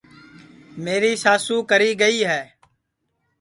میری ساسو کری گی ہے